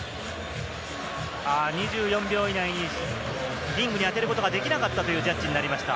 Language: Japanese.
２４秒以内にリングに当てることができなかったというジャッジになりました。